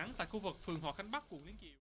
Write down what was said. bác cụ nguyễn kiều